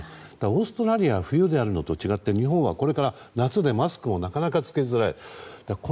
オーストラリア冬であるのと違って日本これから夏でマスクをなかなか着けづらい。